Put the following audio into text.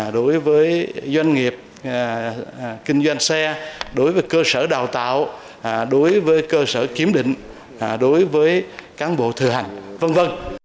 đối với doanh nghiệp kinh doanh xe đối với cơ sở đào tạo đối với cơ sở kiểm định đối với cán bộ thừa hành v v